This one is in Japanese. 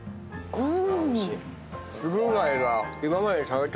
うん！